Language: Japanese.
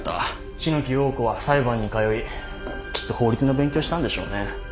篠木瑤子は裁判に通いきっと法律の勉強したんでしょうね。